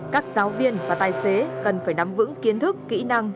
các giáo viên và tài xế cần phải nắm vững kiến thức kỹ năng